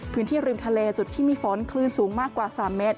พื้นที่ริมทะเลจุดที่มีฝนคลื่นสูงมากกว่า๓เมตร